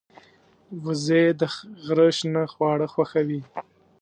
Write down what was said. وزې د غره شنه خواړه خوښوي